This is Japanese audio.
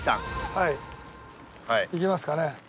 はい行きますかね。